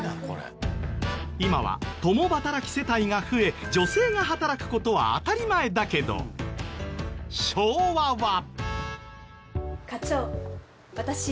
今は共働き世帯が増え女性が働く事は当たり前だけど昭和は。